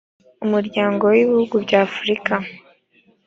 umuryango w ibihugu by afurika